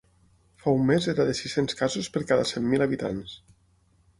Fa un mes era de sis-cents casos per cada cent mil habitants.